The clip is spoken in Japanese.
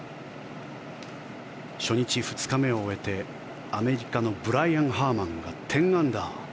初日、２日目を終えてアメリカのブライアン・ハーマンが１０アンダー。